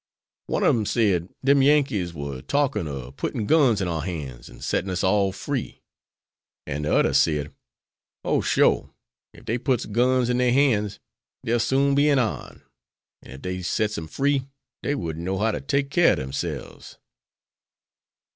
"One ob dem said, dem Yankees war talkin' of puttin' guns in our han's and settin' us all free. An' de oder said, 'Oh, sho! ef dey puts guns in dere hands dey'll soon be in our'n; and ef dey sets em free dey wouldn't know how to take keer ob demselves.'"